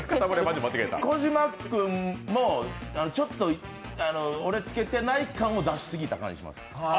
小島君もちょっと俺着けてない感を出し過ぎた感じがします。